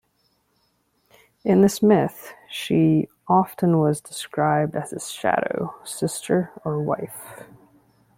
In this myth she often was described as his shadow, sister, or wife.